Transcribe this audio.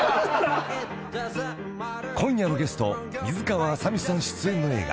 ［今夜のゲスト水川あさみさん出演の映画